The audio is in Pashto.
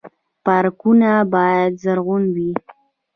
پارکونه باید زرغون وي